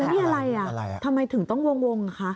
นี่อะไรอ่ะทำไมถึงต้องวงคะ